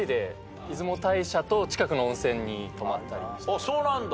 あっそうなんだ。